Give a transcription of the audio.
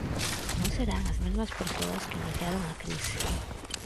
Non serán as mesmas persoas que iniciaron a crise.